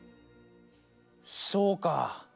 そうか！